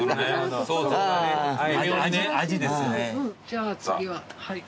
じゃあ次ははい。